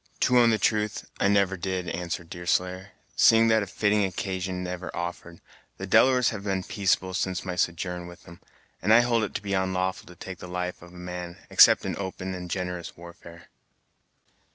"To own the truth, I never did," answered Deerslayer; "seeing that a fitting occasion never offered. The Delawares have been peaceable since my sojourn with 'em, and I hold it to be onlawful to take the life of man, except in open and generous warfare."